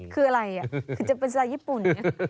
คืออะไรอ่ะคือจะไปใส่ญี่ปุ่น